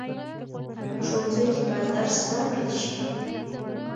په ښوونځیو کې باید درس ورکړل شي.